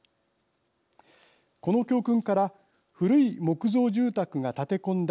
この教訓から古い木造住宅が立て込んだ